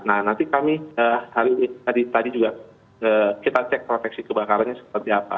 nah nanti kami hari ini tadi juga kita cek proteksi kebakarannya seperti apa